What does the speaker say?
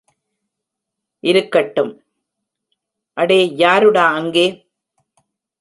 இருக்கட்டும், அடே யாருடா அங்கே?